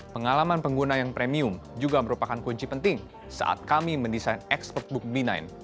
pengalaman pengguna yang premium juga merupakan kunci penting saat kami mendesain expertbook b sembilan